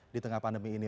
di tengah pandemi ini